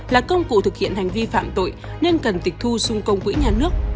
là công cụ thực hiện hành vi phạm tội nên cần tịch thu xung công quỹ nhà nước